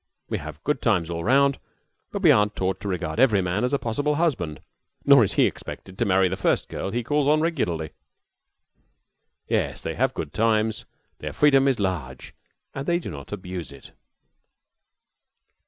We have good times all round, but we aren't taught to regard every man as a possible husband. Nor is he expected to marry the first girl he calls on regularly." Yes, they have good times, their freedom is large, and they do not abuse it.